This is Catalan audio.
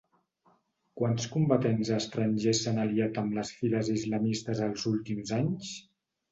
Quants combatents estrangers s'han aliat amb les files islamistes els últims anys?